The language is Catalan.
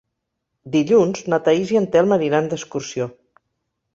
Dilluns na Thaís i en Telm aniran d'excursió.